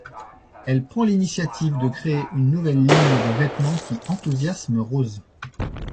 Elle prend l'initiative de créer une nouvelle ligne de vêtements qui enthousiasme Rose.